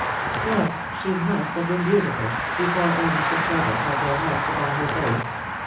"Yes, she must have been beautiful, before illness and trouble set their marks upon her face.